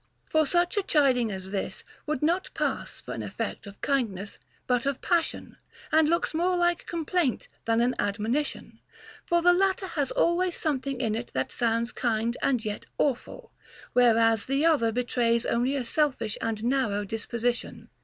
For such a chiding as this would not pass for an effect of kindness but of passion, and looks more like complaint than an admonition ; for the latter has always something in it that sounds kind and yet awful, whereas the other betrays only a selfish and narrow dis position.